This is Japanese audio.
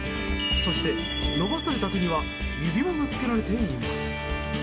そして、伸ばされた手には指輪が着けられています。